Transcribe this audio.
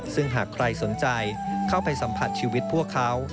ซึ่งหากใครสนใจเข้าไปสัมผัสชีวิตพวกเขา